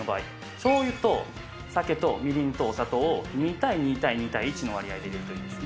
しょうゆと酒とみりんとお砂糖を２対２対１の割合で入れていきます。